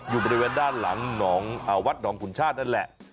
อยู่บริเวณด้านหลังวัดหนองขุนชาตินั่นแหละ